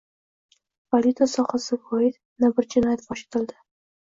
Valyuta sohasiga oid yana bir jinoyat fosh etildi